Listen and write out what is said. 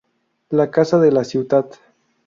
La Casa de la Ciutat.